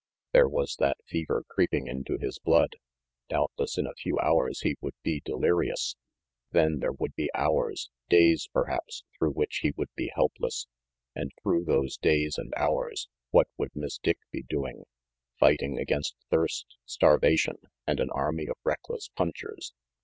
There was that fever creeping into his blood. Doubtless in a few hours he would be delirious. Then there would be hours, days perhaps, through which he would be helpless. And through those days and hours, what would Miss Dick be doing? Fighting against thirst, starvation, and an army of reckless punchers.